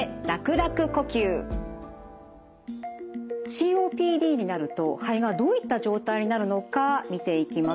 ＣＯＰＤになると肺がどういった状態になるのか見ていきましょう。